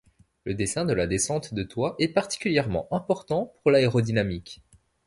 Le dessin de la descente de toit est particulièrement important pour l'aérodynamique.